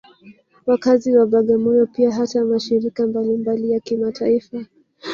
Wakazi wa Bagamoyo pia hata mashirika mbalimbali ya kimataifa